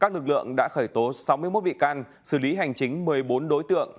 lực lượng đã khởi tố sáu mươi một vị can xử lý hành chính một mươi bốn đối tượng